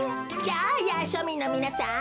やあやあしょみんのみなさん。